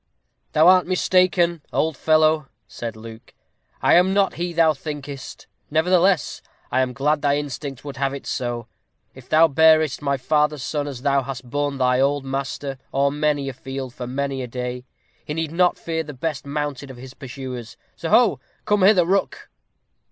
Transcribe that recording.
"Thou art mistaken, old fellow," said Luke; "I am not he thou thinkest; nevertheless, I am glad thy instinct would have it so. If thou bearest my father's son as thou hast borne thy old master, o'er many a field for many a day, he need not fear the best mounted of his pursuers. Soho! come hither, Rook."